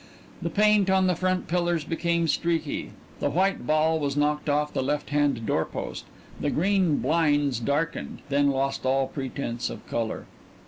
The paint on the front pillars became streaky; the white ball was knocked off the left hand door post; the green blinds darkened, then lost all pretense of color.